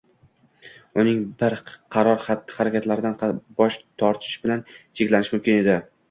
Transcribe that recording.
uning bir qator xatti-harakatlardan bosh tortishi bilan cheklanishi mumkin edi: